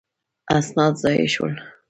اسناد ضایع شول.